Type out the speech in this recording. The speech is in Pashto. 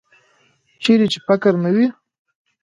چیرې چې فقر نه وي.